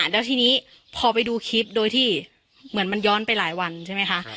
แล้วทีนี้พอไปดูคลิปโดยที่เหมือนมันย้อนไปหลายวันใช่ไหมคะ